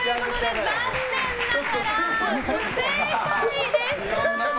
残念ながら不正解でした！